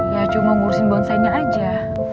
ya cuma ngurusin bonsainya aja